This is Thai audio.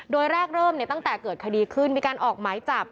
โดยแรกเริ่มตั้งแต่เกิดคดีขึ้นมีการออกหมายจับ